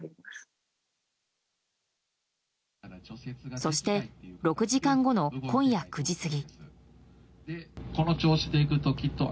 そして６時間後の今夜９時過ぎ。